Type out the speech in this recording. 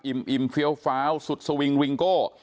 อิมอิมเฟียวฟาวสุดสวิงวิงโก้